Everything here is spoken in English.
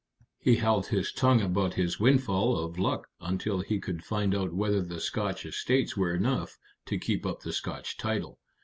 He held his tongue about his windfall of luck until he could find out whether the Scotch estates were enough to keep up the Scotch title.